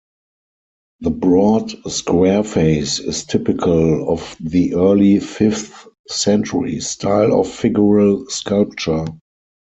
The broad square face is typical of the early fifth-century style of figural sculpture.